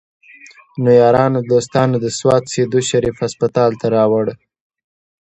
نو يارانو دوستانو د سوات سيدو شريف هسپتال ته راوړو